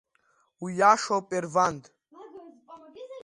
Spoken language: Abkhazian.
Уиашоуп, Ерванд…